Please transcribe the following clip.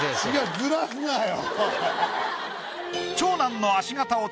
ずらすなよ。